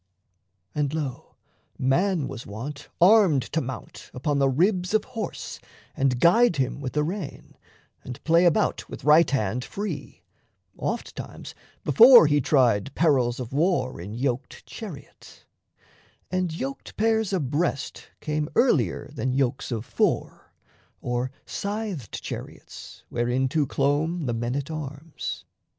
And, lo, man was wont Armed to mount upon the ribs of horse And guide him with the rein, and play about With right hand free, oft times before he tried Perils of war in yoked chariot; And yoked pairs abreast came earlier Than yokes of four, or scythed chariots Whereinto clomb the men at arms.